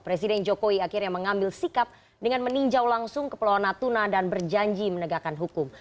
presiden jokowi akhirnya mengambil sikap dengan meninjau langsung ke pulau natuna dan berjanji menegakkan hukum